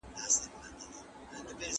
لنډه اونۍ د تولید او کیفیت دواړو ته ګټه رسوي.